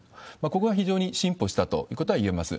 ここが非常に進歩したということはいえます。